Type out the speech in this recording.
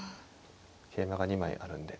桂馬が２枚あるんで。